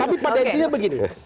tapi pada intinya begini